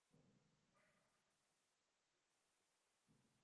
Buena parte de su juventud la vivió en St.